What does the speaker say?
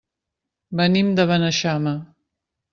Venim de Beneixama.